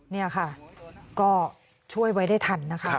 นี่ค่ะก็ช่วยไว้ได้ทันนะคะ